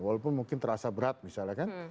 walaupun mungkin terasa berat misalnya kan